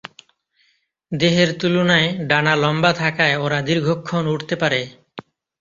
দেহের তুলনায় ডানা লম্বা থাকায় ওরা দীর্ঘক্ষণ উড়তে পারে।